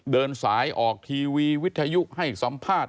เดินสายออกทีวีวิทยุให้สัมภาษณ์